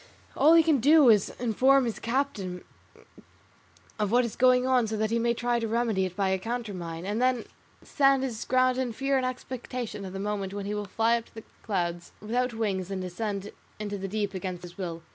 All he can do is to inform his captain of what is going on so that he may try to remedy it by a counter mine, and then stand his ground in fear and expectation of the moment when he will fly up to the clouds without wings and descend into the deep against his will.